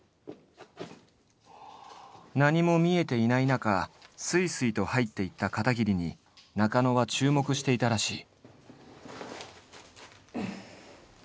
何も見えていない中すいすいと入っていった片桐に中野は注目していたらしい。